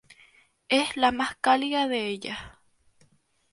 Es la más cálida de ellas.